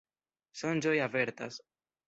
Sonĝoj avertas.